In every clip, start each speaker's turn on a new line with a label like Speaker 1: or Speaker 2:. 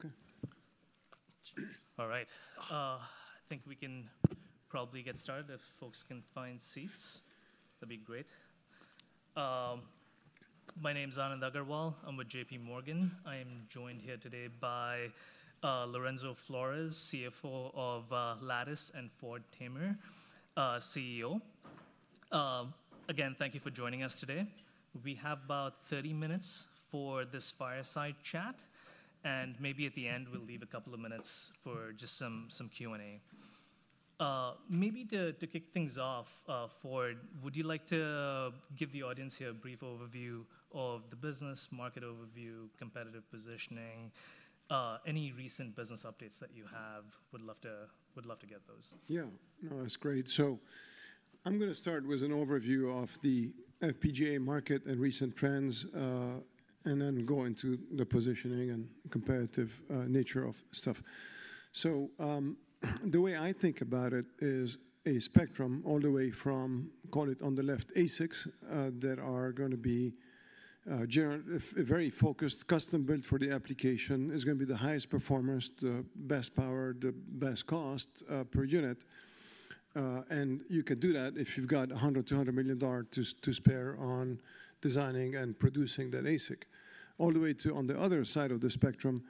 Speaker 1: Okay.
Speaker 2: All right. I think we can probably get started. If folks can find seats, that'd be great. My name's Anand Agarwal. I'm with JPMorgan. I am joined here today by Lorenzo Flores, CFO of Lattice, and Ford Tamer, CEO. Again, thank you for joining us today. We have about 30 minutes for this fireside chat, and maybe at the end, we'll leave a couple of minutes for just some Q&A. Maybe to kick things off, Ford, would you like to give the audience here a brief overview of the business, market overview, competitive positioning, any recent business updates that you have? Would love to get those.
Speaker 1: Yeah, no, that's great. I'm going to start with an overview of the FPGA market and recent trends, and then go into the positioning and competitive nature of stuff. The way I think about it is a spectrum all the way from, call it on the left, ASICs that are going to be very focused, custom built for the application, is going to be the highest performance, the best power, the best cost per unit. You can do that if you've got $100 million-$200 million to spare on designing and producing that ASIC. All the way to, on the other side of the spectrum,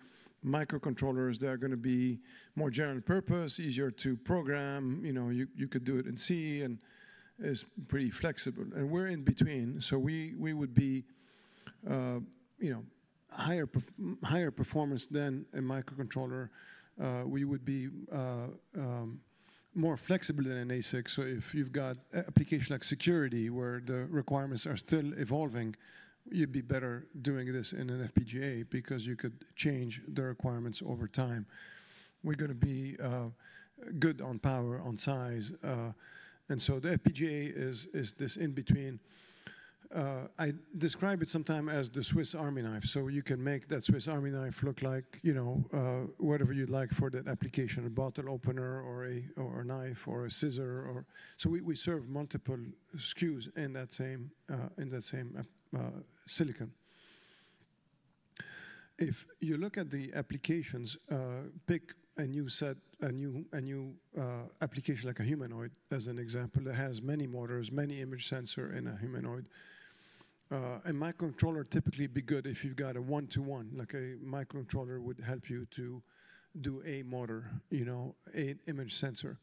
Speaker 1: microcontrollers that are going to be more general purpose, easier to program. You could do it in C and is pretty flexible. We're in between. We would be higher performance than a microcontroller. We would be more flexible than an ASIC. If you've got an application like security, where the requirements are still evolving, you'd be better doing this in an FPGA because you could change the requirements over time. We're going to be good on power, on size. The FPGA is this in between. I describe it sometimes as the Swiss Army knife. You can make that Swiss Army knife look like whatever you'd like for that application, a bottle opener or a knife or a scissor. We serve multiple SKUs in that same silicon. If you look at the applications, pick a new application, like a humanoid as an example. It has many motors, many image sensors in a humanoid. A microcontroller typically would be good if you've got a one-to-one, like a microcontroller would help you to do a motor, an image sensor.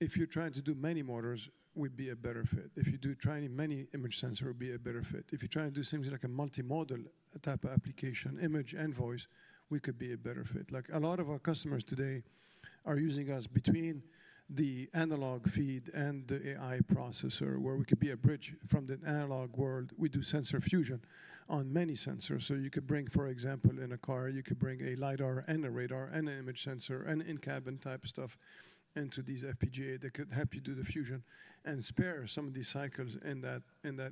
Speaker 1: If you're trying to do many motors, it would be a better fit. If you're trying many image sensors, it would be a better fit. If you're trying to do something like a multimodal type of application, image and voice, we could be a better fit. A lot of our customers today are using us between the analog feed and the AI processor, where we could be a bridge from the analog world. We do sensor fusion on many sensors. You could bring, for example, in a car, you could bring a LiDAR and a radar and an image sensor and in-cabin type stuff into these FPGAs that could help you do the fusion and spare some of these cycles in that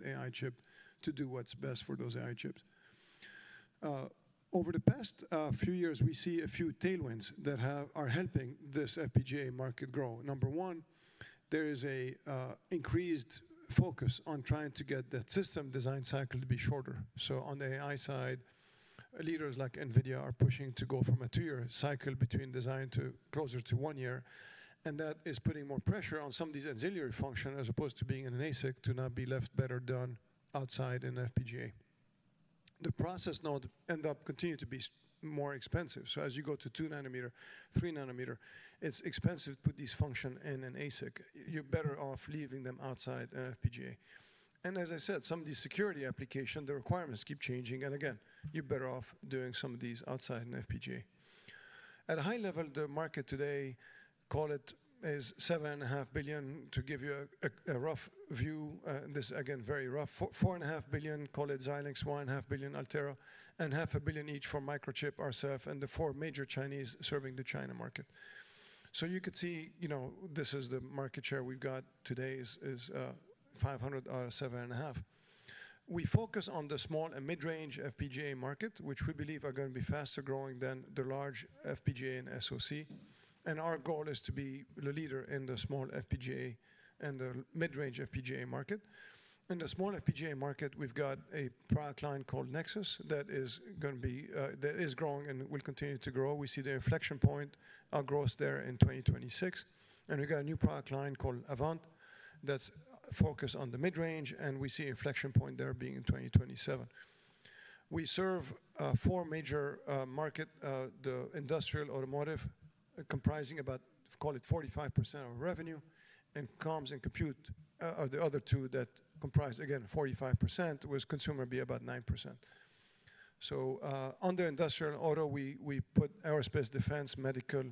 Speaker 1: AI chip to do what's best for those AI chips. Over the past few years, we see a few tailwinds that are helping this FPGA market grow. Number one, there is an increased focus on trying to get that system design cycle to be shorter. On the AI side, leaders like NVIDIA are pushing to go from a two-year cycle between design to closer to one year. That is putting more pressure on some of these auxiliary functions as opposed to being in an ASIC to not be left better done outside in an FPGA. The process nodes end up continuing to be more expensive. As you go to 2 nm, 3 nm, it is expensive to put these functions in an ASIC. You are better off leaving them outside an FPGA. As I said, some of these security applications, the requirements keep changing. Again, you are better off doing some of these outside an FPGA. At a high level, the market today, call it, is $7.5 billion, to give you a rough view. This is, again, very rough. $4.5 billion, call it Xilinx, $1.5 billion Altera, and $0.5 billion each for Microchip, RCF, and the four major Chinese serving the China market. You could see this is the market share we've got today is $500 million out of $7.5 billion. We focus on the small and mid-range FPGA market, which we believe are going to be faster growing than the large FPGA and SoC. Our goal is to be the leader in the small FPGA and the mid-range FPGA market. In the small FPGA market, we've got a product line called Nexus that is going to be growing and will continue to grow. We see the inflection point, our growth there in 2026. We have got a new product line called Avant that is focused on the mid-range, and we see an inflection point there being in 2027. We serve four major markets, the industrial, automotive, comprising about, call it 45% of revenue, and comms and compute are the other two that comprise, again, 45%, with consumer being about 9%. Under industrial auto, we put aerospace, defense, medical,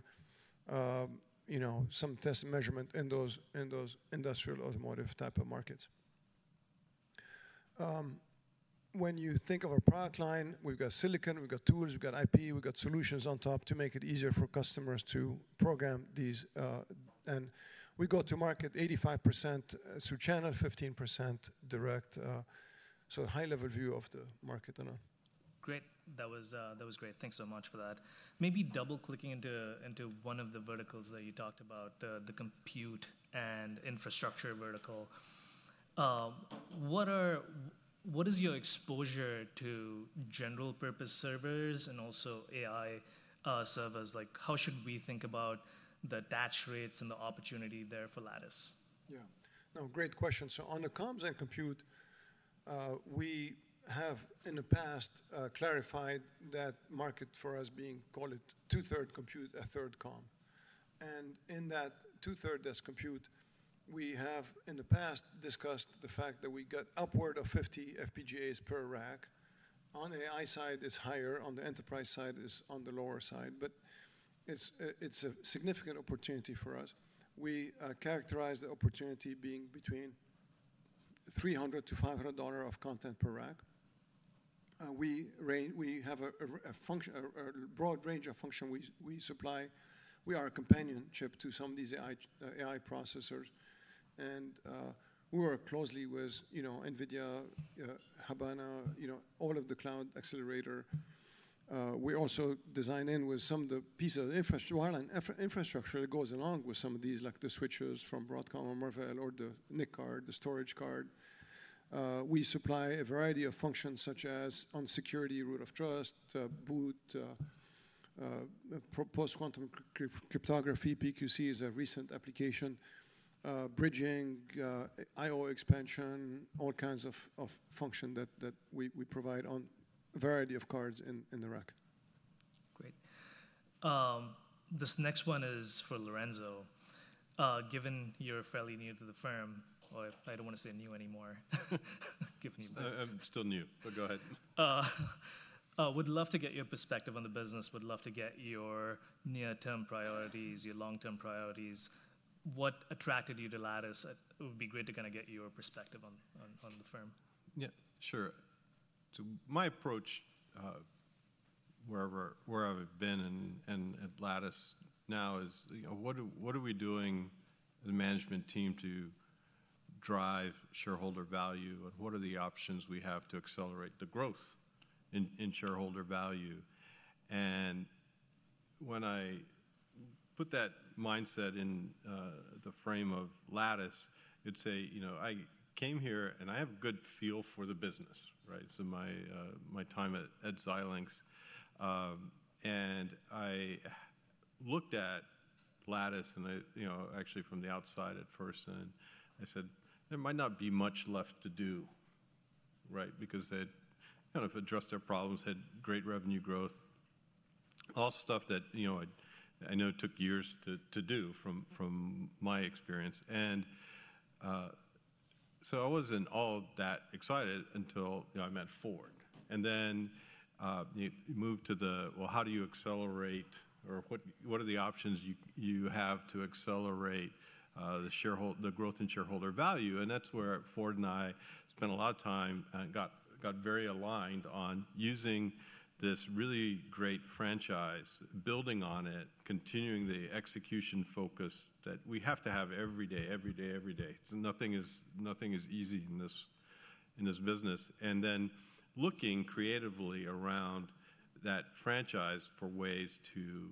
Speaker 1: some test and measurement in those industrial automotive type of markets. When you think of our product line, we have got silicon, we have got tools, we have got IP, we have got solutions on top to make it easier for customers to program these. We go to market 85% through channel, 15% direct. High-level view of the market.
Speaker 2: Great. That was great. Thanks so much for that. Maybe double-clicking into one of the verticals that you talked about, the compute and infrastructure vertical. What is your exposure to general-purpose servers and also AI servers? How should we think about the attach rates and the opportunity there for Lattice?
Speaker 1: Yeah. No, great question. On the comms and compute, we have in the past clarified that market for us being, call it, two-thirds compute, one-third comm. In that two-thirds that's compute, we have in the past discussed the fact that we got upward of 50 FPGAs per rack. On the AI side, it's higher. On the enterprise side, it's on the lower side. It is a significant opportunity for us. We characterize the opportunity being between $300-$500 of content per rack. We have a broad range of function we supply. We are a companionship to some of these AI processors. We work closely with NVIDIA, Habana, all of the cloud accelerator. We also design in with some of the pieces of infrastructure that go along with some of these, like the switches from Broadcom or Marvell or the NIC card, the storage card. We supply a variety of functions such as on security, root of trust, boot, post-quantum cryptography, PQC is a recent application, bridging, I/O expansion, all kinds of functions that we provide on a variety of cards in the rack.
Speaker 2: Great. This next one is for Lorenzo. Given you're fairly new to the firm, I don't want to say new anymore. Give me a break.
Speaker 3: I'm still new, but go ahead.
Speaker 2: Would love to get your perspective on the business. Would love to get your near-term priorities, your long-term priorities. What attracted you to Lattice? It would be great to kind of get your perspective on the firm.
Speaker 3: Yeah, sure. So my approach, wherever I've been at Lattice now is, what are we doing as a management team to drive shareholder value? What are the options we have to accelerate the growth in shareholder value? When I put that mindset in the frame of Lattice, I'd say, I came here and I have a good feel for the business. My time at Xilinx, and I looked at Lattice actually from the outside at first. I said, there might not be much left to do, because they kind of addressed their problems, had great revenue growth, all stuff that I know took years to do from my experience. I wasn't all that excited until I met Ford. You move to the, well, how do you accelerate or what are the options you have to accelerate the growth in shareholder value? That is where Ford and I spent a lot of time and got very aligned on using this really great franchise, building on it, continuing the execution focus that we have to have every day, every day, every day. Nothing is easy in this business. Looking creatively around that franchise for ways to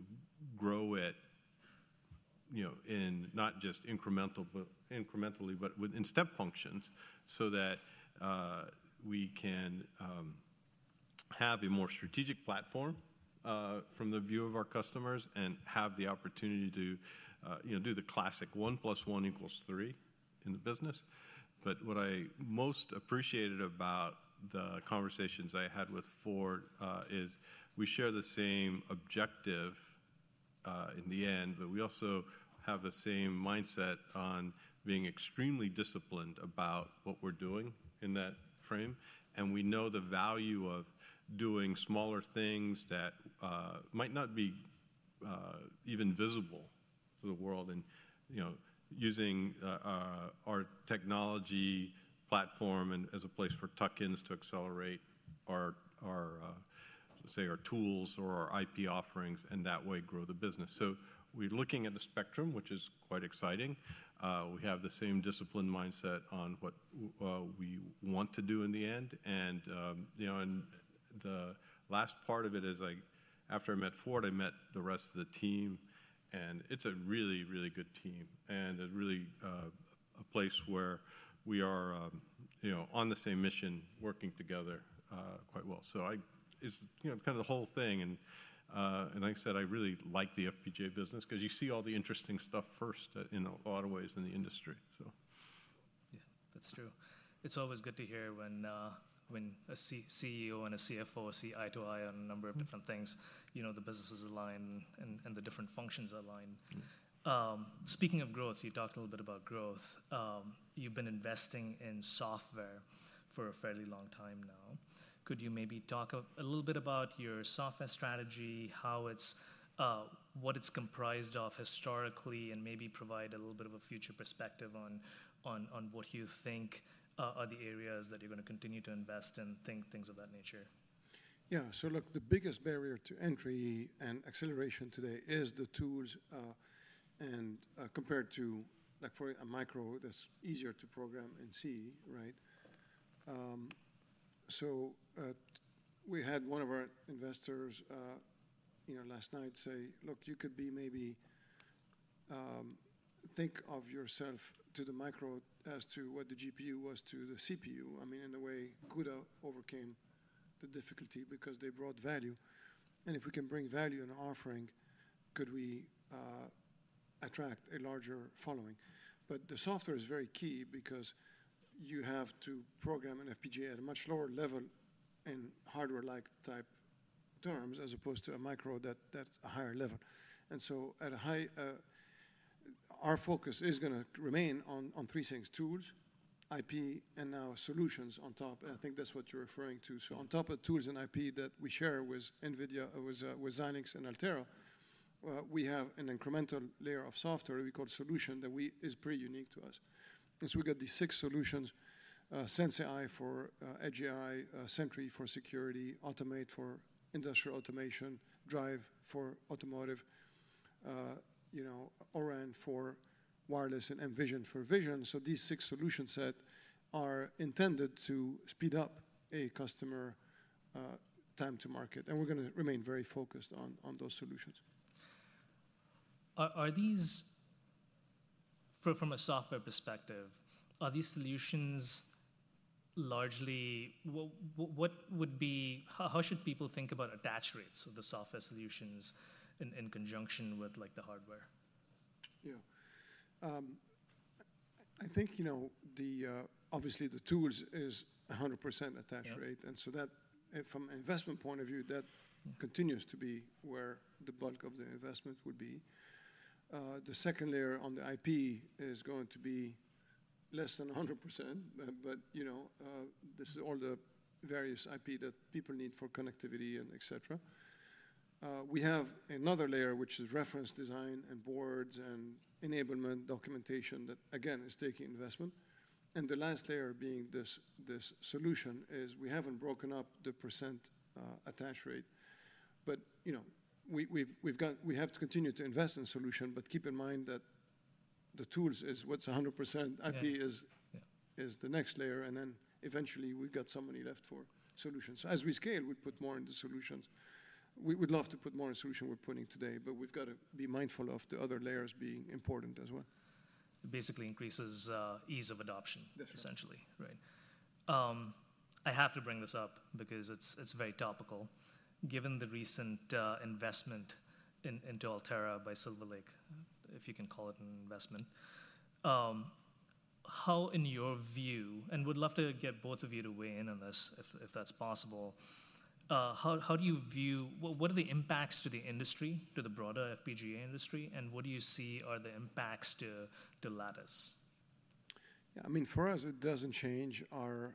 Speaker 3: grow it not just incrementally, but in step functions so that we can have a more strategic platform from the view of our customers and have the opportunity to do the classic one plus one equals three in the business. What I most appreciated about the conversations I had with Ford is we share the same objective in the end, but we also have the same mindset on being extremely disciplined about what we are doing in that frame. We know the value of doing smaller things that might not be even visible to the world. Using our technology platform as a place for tuck-ins to accelerate our tools or our IP offerings, we can grow the business that way. We are looking at the spectrum, which is quite exciting. We have the same disciplined mindset on what we want to do in the end. The last part of it is after I met Ford, I met the rest of the team. It is a really, really good team and really a place where we are on the same mission working together quite well. It is kind of the whole thing. Like I said, I really like the FPGA business because you see all the interesting stuff first in a lot of ways in the industry.
Speaker 2: Yeah, that's true. It's always good to hear when a CEO and a CFO see eye to eye on a number of different things, the businesses align and the different functions align. Speaking of growth, you talked a little bit about growth. You've been investing in software for a fairly long time now. Could you maybe talk a little bit about your software strategy, what it's comprised of historically, and maybe provide a little bit of a future perspective on what you think are the areas that you're going to continue to invest in, things of that nature?
Speaker 1: Yeah. Look, the biggest barrier to entry and acceleration today is the tools. Compared to, for a micro, that's easier to program in C, right? We had one of our investors last night say, look, you could maybe think of yourself to the micro as to what the GPU was to the CPU. I mean, in a way, CUDA overcame the difficulty because they brought value. If we can bring value in an offering, could we attract a larger following? The software is very key because you have to program an FPGA at a much lower level in hardware-like type terms as opposed to a micro that's a higher level. Our focus is going to remain on three things: tools, IP, and now solutions on top. I think that's what you're referring to. On top of tools and IP that we share with NVIDIA, with Xilinx, and Altera, we have an incremental layer of software we call solution that is pretty unique to us. We got these six solutions: SenseI for edge AI, Sentry for security, Automate for industrial automation, Drive for automotive, ORAN for wireless, and mEnvision for vision. These six solution sets are intended to speed up a customer time to market. We are going to remain very focused on those solutions.
Speaker 2: From a software perspective, are these solutions largely how should people think about attach rates of the software solutions in conjunction with the hardware?
Speaker 1: Yeah. I think obviously the tools is 100% attach rate. From an investment point of view, that continues to be where the bulk of the investment would be. The second layer on the IP is going to be less than 100%. This is all the various IP that people need for connectivity and et cetera. We have another layer, which is reference design and boards and enablement documentation that, again, is taking investment. The last layer being this solution is we haven't broken up the percent attach rate. We have to continue to invest in solution, but keep in mind that the tools is what's 100%, IP is the next layer. Eventually we've got some money left for solutions. As we scale, we put more into solutions. We would love to put more in solution we're putting today, but we've got to be mindful of the other layers being important as well.
Speaker 2: It basically increases ease of adoption, essentially, right? I have to bring this up because it's very topical. Given the recent investment into Altera by Silver Lake, if you can call it an investment, how in your view, and would love to get both of you to weigh in on this if that's possible, how do you view what are the impacts to the industry, to the broader FPGA industry? What do you see are the impacts to Lattice?
Speaker 1: Yeah. I mean, for us, it does not change our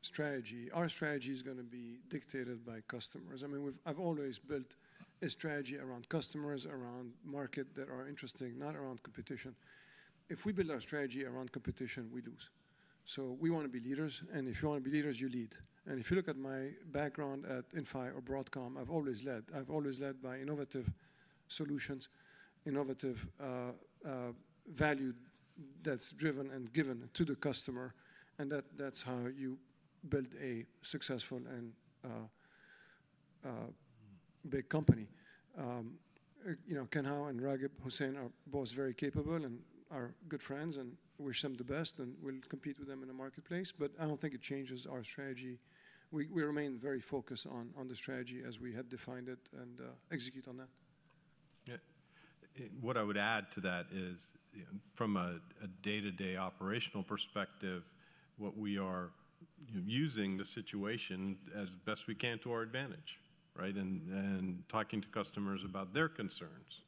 Speaker 1: strategy. Our strategy is going to be dictated by customers. I mean, I have always built a strategy around customers, around markets that are interesting, not around competition. If we build our strategy around competition, we lose. We want to be leaders. If you want to be leaders, you lead. If you look at my background at Inphi or Broadcom, I have always led. I have always led by innovative solutions, innovative value that is driven and given to the customer. That is how you build a successful and big company. Ken Howe and Raghib Hussain are both very capable and are good friends and wish them the best. We will compete with them in the marketplace. I do not think it changes our strategy. We remain very focused on the strategy as we had defined it and execute on that.
Speaker 3: Yeah. What I would add to that is from a day-to-day operational perspective, what we are using the situation as best we can to our advantage, right? Talking to customers about their concerns.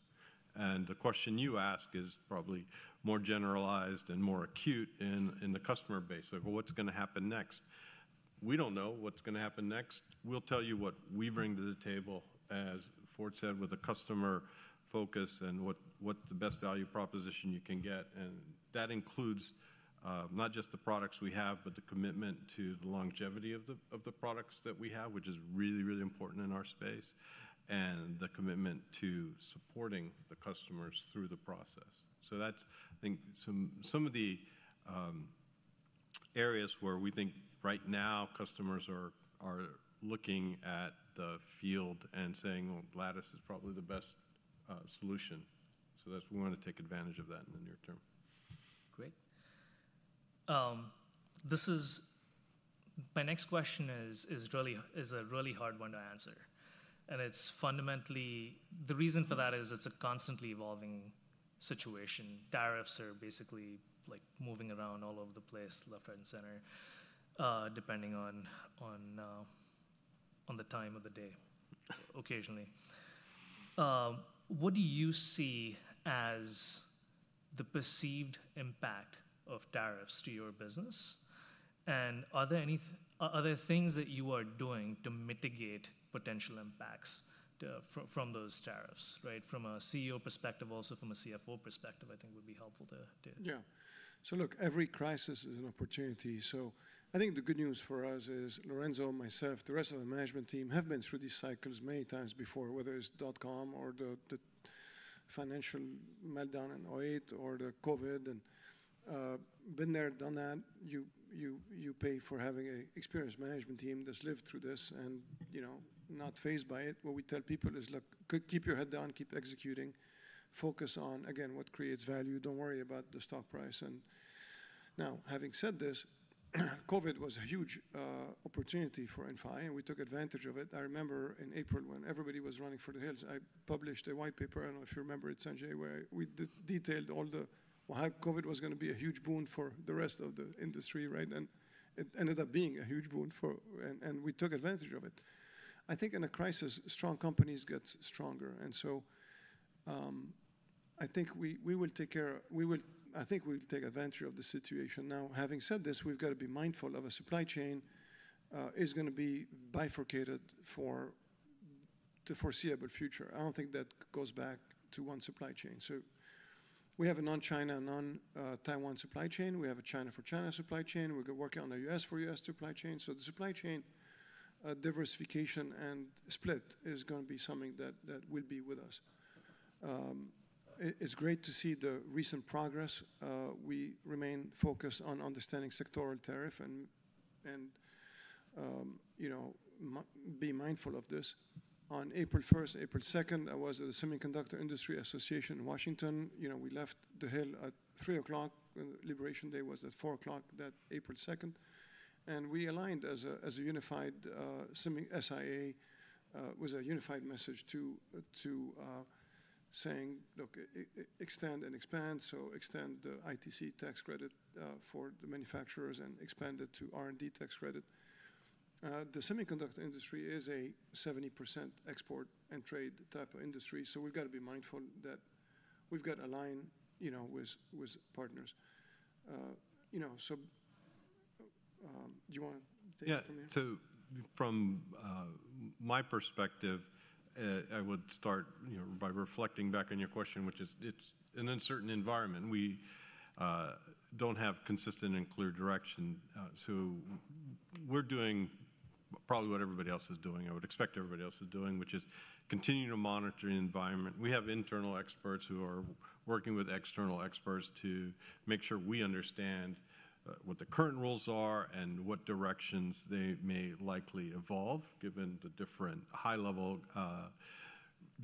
Speaker 3: The question you ask is probably more generalized and more acute in the customer base. Like, well, what's going to happen next? We do not know what's going to happen next. We will tell you what we bring to the table, as Ford said, with a customer focus and what is the best value proposition you can get. That includes not just the products we have, but the commitment to the longevity of the products that we have, which is really, really important in our space, and the commitment to supporting the customers through the process. That's, I think, some of the areas where we think right now customers are looking at the field and saying, well, Lattice is probably the best solution. We want to take advantage of that in the near term.
Speaker 2: Great. My next question is a really hard one to answer. The reason for that is it's a constantly evolving situation. Tariffs are basically moving around all over the place, left, right, and center, depending on the time of the day occasionally. What do you see as the perceived impact of tariffs to your business? Are there any other things that you are doing to mitigate potential impacts from those tariffs, right? From a CEO perspective, also from a CFO perspective, I think would be helpful too.
Speaker 1: Yeah. Look, every crisis is an opportunity. I think the good news for us is Lorenzo, myself, the rest of the management team have been through these cycles many times before, whether it is dot-com or the financial meltdown in 2008 or COVID. Been there, done that. You pay for having an experienced management team that has lived through this and not fazed by it. What we tell people is, look, keep your head down, keep executing. Focus on, again, what creates value. Do not worry about the stock price. Now, having said this, COVID was a huge opportunity for Lattice Semiconductor. We took advantage of it. I remember in April when everybody was running for the hills, I published a white paper. I don't know if you remember it, Sanjay, where we detailed all the how COVID was going to be a huge boon for the rest of the industry, right? It ended up being a huge boon. We took advantage of it. I think in a crisis, strong companies get stronger. I think we will take care of, I think we'll take advantage of the situation. Now, having said this, we've got to be mindful of a supply chain that is going to be bifurcated for the foreseeable future. I don't think that goes back to one supply chain. We have a non-China, non-Taiwan supply chain. We have a China for China supply chain. We're working on a U.S. for U.S. supply chain. The supply chain diversification and split is going to be something that will be with us. It's great to see the recent progress. We remain focused on understanding sectoral tariff and be mindful of this. On April 1st, April 2nd, I was at the Semiconductor Industry Association in Washington. We left the hill at 3:00 P.M. Liberation Day was at 4:00 P.M. that April 2nd. We aligned as a unified SIA with a unified message to saying, look, extend and expand. Extend the ITC tax credit for the manufacturers and expand it to R&D tax credit. The semiconductor industry is a 70% export and trade type of industry. We have got to be mindful that we have got to align with partners. Do you want to take it from there?
Speaker 3: Yeah. From my perspective, I would start by reflecting back on your question, which is it's an uncertain environment. We do not have consistent and clear direction. We are doing probably what everybody else is doing, I would expect everybody else is doing, which is continue to monitor the environment. We have internal experts who are working with external experts to make sure we understand what the current rules are and what directions they may likely evolve given the different high-level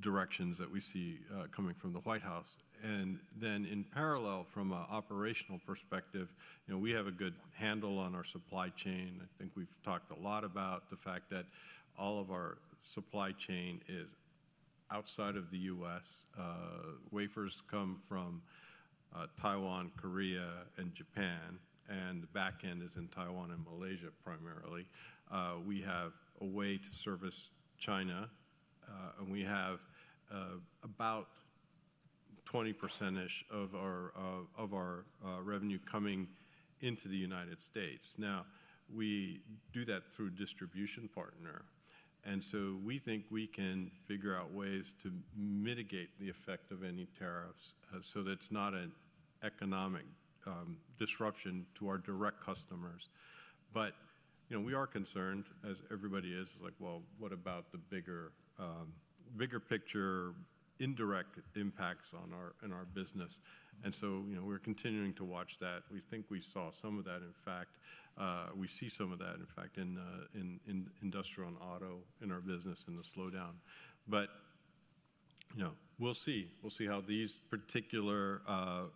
Speaker 3: directions that we see coming from the White House. In parallel, from an operational perspective, we have a good handle on our supply chain. I think we have talked a lot about the fact that all of our supply chain is outside of the U.S. Wafers come from Taiwan, Korea, and Japan. The back end is in Taiwan and Malaysia primarily. We have a way to service China. And we have about 20%-ish of our revenue coming into the United States. Now, we do that through a distribution partner. And so we think we can figure out ways to mitigate the effect of any tariffs so that it's not an economic disruption to our direct customers. But we are concerned, as everybody is, like, well, what about the bigger picture indirect impacts on our business? And so we're continuing to watch that. We think we saw some of that, in fact. We see some of that, in fact, in industrial and auto in our business in the slowdown. But we'll see. We'll see how these particular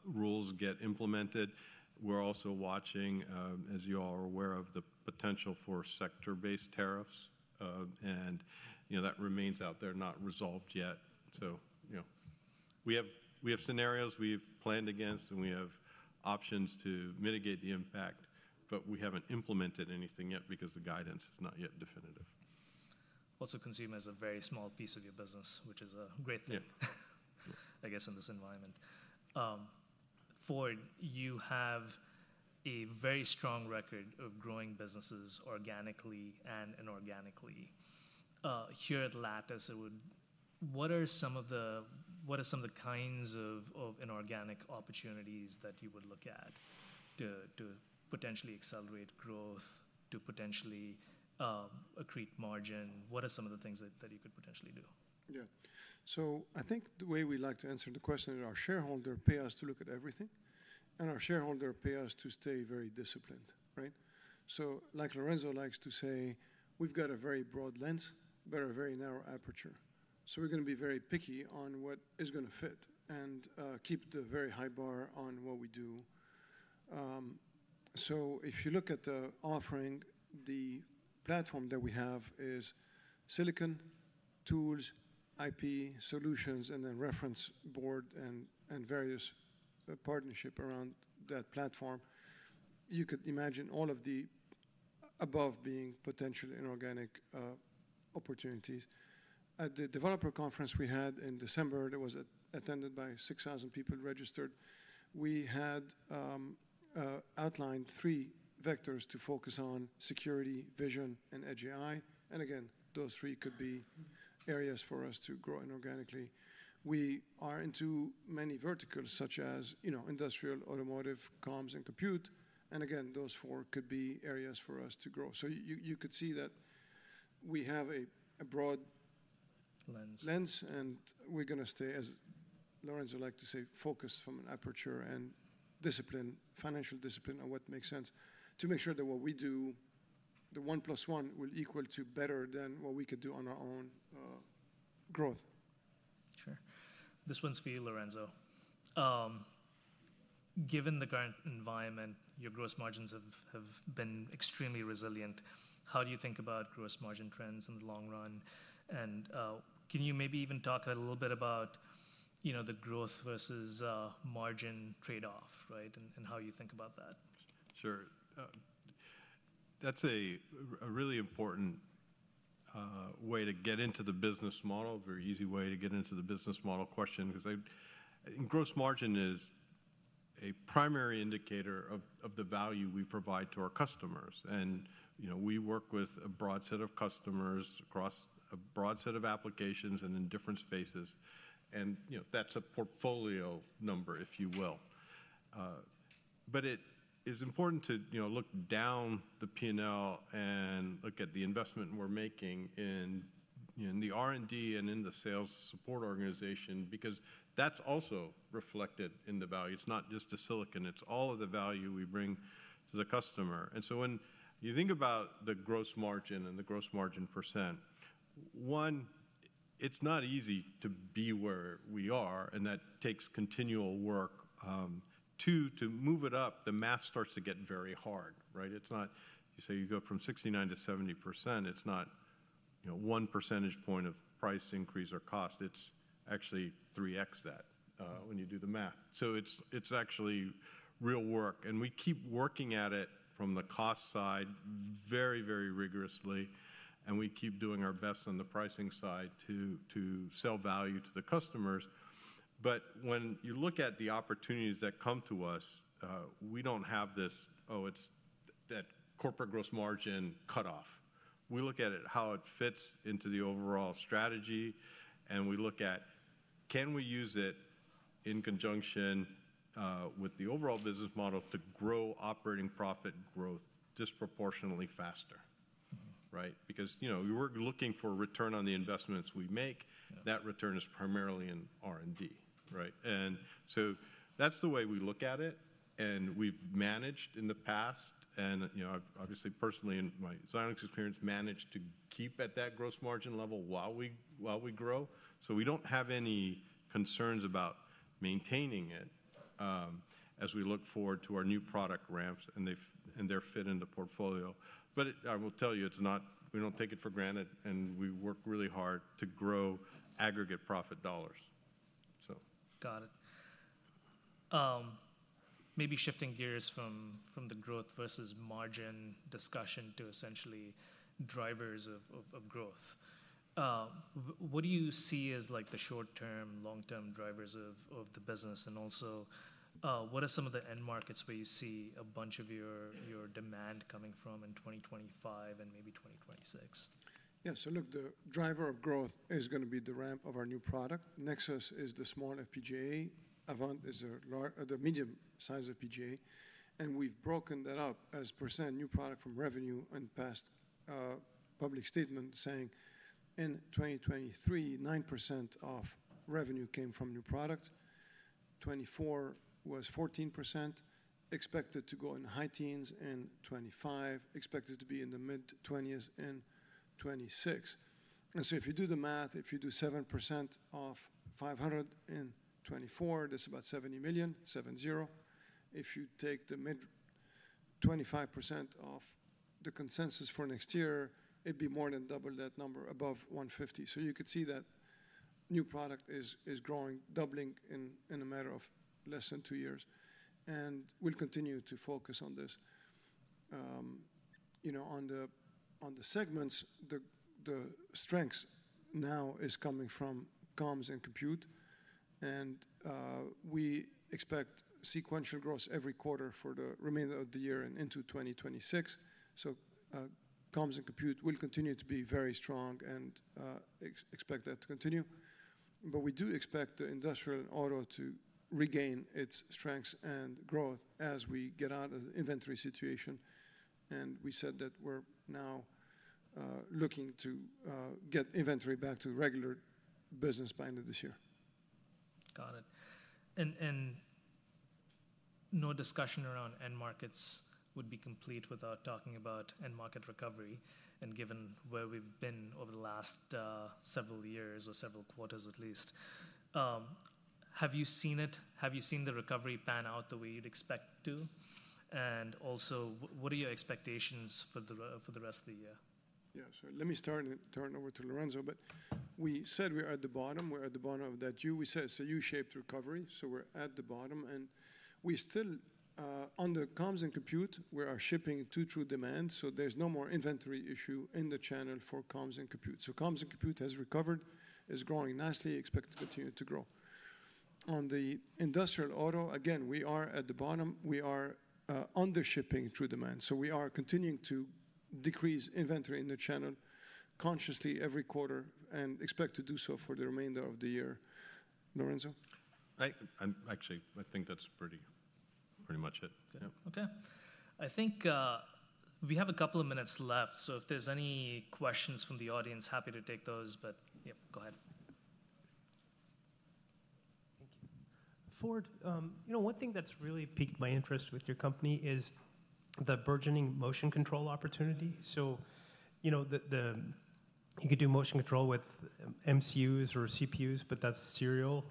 Speaker 3: rules get implemented. We're also watching, as you all are aware of, the potential for sector-based tariffs. And that remains out there, not resolved yet. We have scenarios we've planned against, and we have options to mitigate the impact. We haven't implemented anything yet because the guidance is not yet definitive.
Speaker 2: Also, consumers are a very small piece of your business, which is a great thing, I guess, in this environment. Ford, you have a very strong record of growing businesses organically and inorganically. Here at Lattice, what are some of the kinds of inorganic opportunities that you would look at to potentially accelerate growth, to potentially accrete margin? What are some of the things that you could potentially do?
Speaker 1: Yeah. I think the way we like to answer the question is our shareholder pays us to look at everything. Our shareholder pays us to stay very disciplined, right? Like Lorenzo likes to say, we've got a very broad lens, but a very narrow aperture. We're going to be very picky on what is going to fit and keep the very high bar on what we do. If you look at the offering, the platform that we have is silicon tools, IP solutions, and then reference board and various partnerships around that platform. You could imagine all of the above being potential inorganic opportunities. At the developer conference we had in December that was attended by 6,000 people registered, we had outlined three vectors to focus on: security, vision, and edge AI. Again, those three could be areas for us to grow inorganically. We are into many verticals, such as industrial, automotive, comms, and compute. Again, those four could be areas for us to grow. You could see that we have a broad.
Speaker 2: Lens.
Speaker 1: Lens. We are going to stay, as Lorenzo liked to say, focused from an aperture and discipline, financial discipline on what makes sense to make sure that what we do, the one plus one, will equal to better than what we could do on our own growth.
Speaker 2: Sure. This one's for you, Lorenzo. Given the current environment, your gross margins have been extremely resilient. How do you think about gross margin trends in the long run? Can you maybe even talk a little bit about the growth versus margin trade-off, right, and how you think about that?
Speaker 3: Sure. That's a really important way to get into the business model, a very easy way to get into the business model question. Because gross margin is a primary indicator of the value we provide to our customers. We work with a broad set of customers across a broad set of applications and in different spaces. That's a portfolio number, if you will. It is important to look down the P&L and look at the investment we're making in the R&D and in the sales support organization because that's also reflected in the value. It's not just the silicon. It's all of the value we bring to the customer. When you think about the gross margin and the gross margin %, one, it's not easy to be where we are. That takes continual work. Two, to move it up, the math starts to get very hard, right? You say you go from 69% to 70%. It's not one percentage point of price increase or cost. It's actually 3x that when you do the math. So it's actually real work. And we keep working at it from the cost side very, very rigorously. And we keep doing our best on the pricing side to sell value to the customers. When you look at the opportunities that come to us, we don't have this, oh, it's that corporate gross margin cutoff. We look at it how it fits into the overall strategy. We look at can we use it in conjunction with the overall business model to grow operating profit growth disproportionately faster, right? Because we're looking for a return on the investments we make. That return is primarily in R&D, right? That is the way we look at it. We have managed in the past, and obviously, personally, in my Xilinx experience, managed to keep at that gross margin level while we grow. We do not have any concerns about maintaining it as we look forward to our new product ramps and their fit in the portfolio. I will tell you, we do not take it for granted. We work really hard to grow aggregate profit dollars, so.
Speaker 2: Got it. Maybe shifting gears from the growth versus margin discussion to essentially drivers of growth. What do you see as the short-term, long-term drivers of the business? Also, what are some of the end markets where you see a bunch of your demand coming from in 2025 and maybe 2026?
Speaker 1: Yeah. So look, the driver of growth is going to be the ramp of our new product. Nexus is the small FPGA. Avant is the medium-sized FPGA. And we've broken that up as percent new product from revenue and past public statement saying in 2023, 9% of revenue came from new product. 2024 was 14%, expected to go in high teens, and 2025 expected to be in the mid-20s in 2026. If you do the math, if you do 7% off $500 million in 2024, that's about $70 million, seven-zero. If you take the mid 25% of the consensus for next year, it'd be more than double that number above $150 million. You could see that new product is growing, doubling in a matter of less than two years. We'll continue to focus on this. On the segments, the strength now is coming from comms and compute. We expect sequential growth every quarter for the remainder of the year and into 2026. Comms and compute will continue to be very strong and expect that to continue. We do expect the industrial and auto to regain its strengths and growth as we get out of the inventory situation. We said that we're now looking to get inventory back to regular business by the end of this year.
Speaker 2: Got it. No discussion around end markets would be complete without talking about end market recovery. Given where we've been over the last several years or several quarters, at least, have you seen it? Have you seen the recovery pan out the way you'd expect to? Also, what are your expectations for the rest of the year?
Speaker 1: Yeah. Let me turn it over to Lorenzo. We said we are at the bottom. We're at the bottom of that U. We said it's a U-shaped recovery. We're at the bottom. We still, on the comms and compute, are shipping to true demand. There's no more inventory issue in the channel for comms and compute. Comms and compute has recovered, is growing nicely, and is expected to continue to grow. On the industrial auto, again, we are at the bottom. We are under shipping true demand. We are continuing to decrease inventory in the channel consciously every quarter and expect to do so for the remainder of the year. Lorenzo?
Speaker 3: Actually, I think that's pretty much it.
Speaker 2: Good. Okay. I think we have a couple of minutes left. If there's any questions from the audience, happy to take those. Yeah, go ahead.
Speaker 4: Thank you. Ford, one thing that's really piqued my interest with your company is the burgeoning motion control opportunity. You could do motion control with MCUs or CPUs, but that's serial.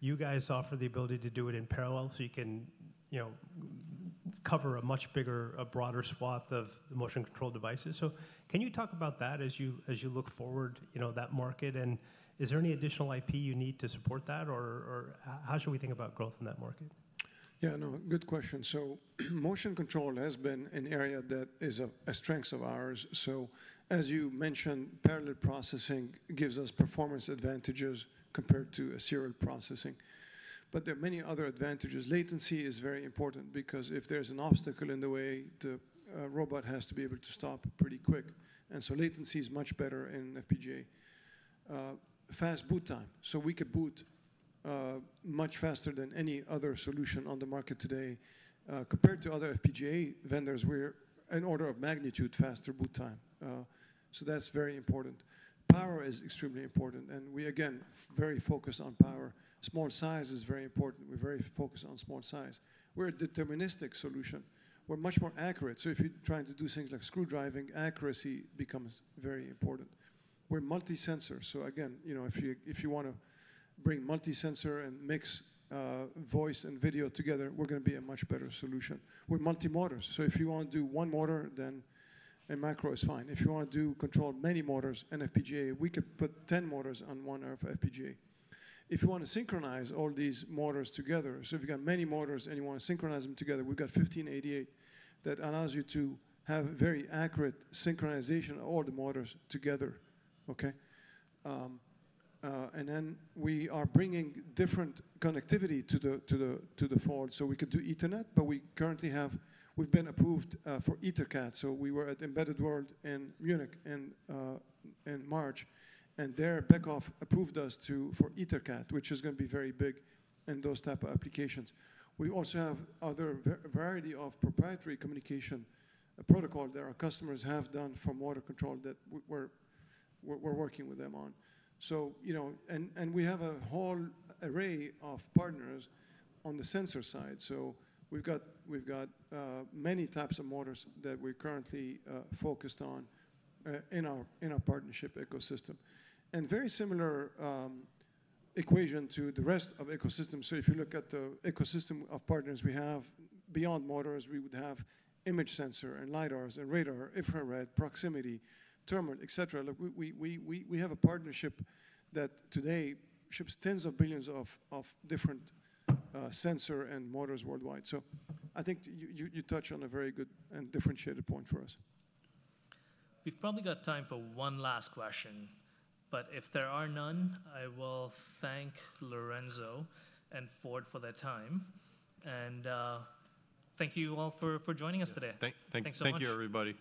Speaker 4: You guys offer the ability to do it in parallel. You can cover a much bigger, a broader swath of motion control devices. Can you talk about that as you look forward at that market? Is there any additional IP you need to support that? How should we think about growth in that market?
Speaker 1: Yeah. No, good question. Motion control has been an area that is a strength of ours. As you mentioned, parallel processing gives us performance advantages compared to serial processing. There are many other advantages. Latency is very important because if there is an obstacle in the way, the robot has to be able to stop pretty quick. Latency is much better in FPGA. Fast boot time. We could boot much faster than any other solution on the market today. Compared to other FPGA vendors, we are an order of magnitude faster boot time. That is very important. Power is extremely important. We, again, are very focused on power. Small size is very important. We are very focused on small size. We are a deterministic solution. We are much more accurate. If you are trying to do things like screwdriving, accuracy becomes very important. We are multi-sensor. If you want to bring multi-sensor and mix voice and video together, we're going to be a much better solution. We're multi-motor. If you want to do one motor, then a macro is fine. If you want to control many motors, an FPGA, we could put 10 motors on one FPGA. If you want to synchronize all these motors together, if you've got many motors and you want to synchronize them together, we've got 1588 that allows you to have very accurate synchronization of all the motors together, okay? We are bringing different connectivity to the Ford. We could do Ethernet, but we currently have we've been approved for EtherCAT. We were at Embedded World in Munich in March. There, Beckhoff approved us for EtherCAT, which is going to be very big in those types of applications. We also have other variety of proprietary communication protocol that our customers have done for motor control that we're working with them on. We have a whole array of partners on the sensor side. We have many types of motors that we're currently focused on in our partnership ecosystem. Very similar equation to the rest of the ecosystem. If you look at the ecosystem of partners we have, beyond motors, we would have image sensor and LiDARs and radar, infrared, proximity, thermal, et cetera. We have a partnership that today ships tens of billions of different sensors and motors worldwide. I think you touched on a very good and differentiated point for us.
Speaker 2: We've probably got time for one last question. If there are none, I will thank Lorenzo and Ford for their time. Thank you all for joining us today. Thank you so much.
Speaker 1: Thank you, everybody.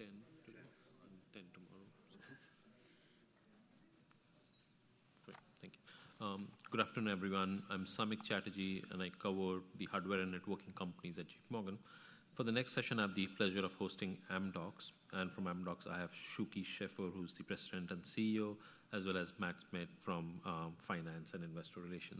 Speaker 5: How many firesides are you doing today?
Speaker 6: We have about 10.
Speaker 5: Today?
Speaker 6: 10 tomorrow. Great. Thank you. Good afternoon, everyone. I'm Samik Chatterjee, and I cover the hardware and networking companies at JPMorgan. For the next session, I have the pleasure of hosting Lattice Semiconductor. And from Lattice Semiconductor, I have Jim Anderson, who's the President and CEO, as well as Lorenzo Flores from Finance and Investor Relations.